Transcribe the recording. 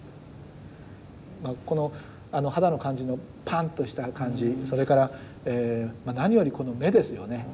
この肌の感じのぱんとした感じそれから何よりこの目ですよね。